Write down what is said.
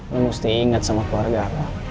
kan mesti ingat sama keluarga